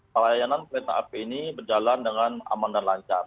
pelayanan kereta api ini berjalan dengan aman dan lancar